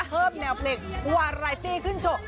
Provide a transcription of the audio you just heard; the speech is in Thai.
เพิ่มแนวเพลงหัวไหลที่ขึ้นโชค